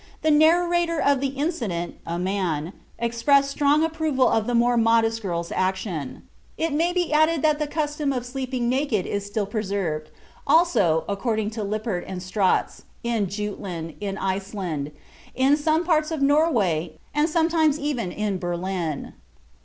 The narrator of the incident [a man] expressed strong approval of the more modest girl's action. (Private communication.) It may be added that the custom of sleeping naked is still preserved, also (according to Lippert and Stratz), in Jutland, in Iceland, in some parts of Norway, and sometimes even in Berlin.